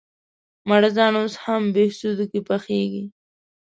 مړزان اوس هم بهسودو کې پخېږي؟